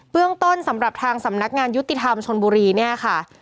เรื่องต้นสำหรับทางสำนักงานยุติธรรมชนบุรีเนี่ยค่ะ